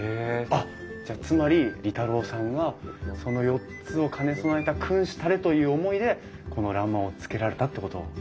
あっじゃあつまり利太郎さんはその４つを兼ね備えた君子たれという思いでこの欄間をつけられたってこと。